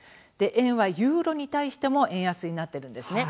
円は、ユーロに対しても円安になっているんですね。